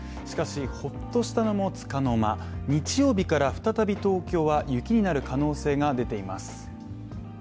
しかし、ほっとしたのもつかの間日曜日から再び東京は雪になる可能性が出ています。